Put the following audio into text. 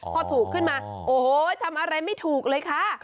พอถูกขึ้นมาโอ้โหทำอะไรไม่ถูกเลยค่ะ